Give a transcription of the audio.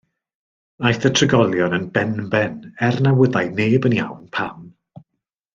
Aeth y trigolion yn benben, er na wyddai neb yn iawn pam.